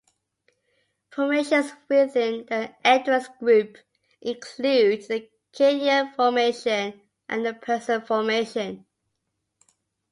Formations within the Edwards Group include the Kainier Formation and the Person Formation.